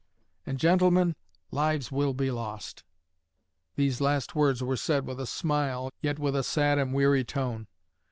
And, gentlemen, lives will be lost.' These last words were said with a smile, yet with a sad and weary tone.